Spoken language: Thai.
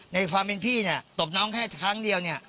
ในความเป็นพี่ตบน้องแค่ครั้งเดียว